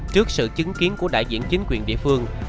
trước sự chứng kiến của đại diện chính quyền địa phương